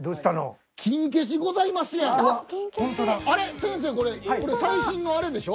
先生これ最新のあれでしょ？